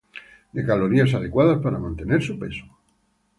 de calorías adecuada para mantener su peso